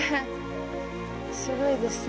すごいですね。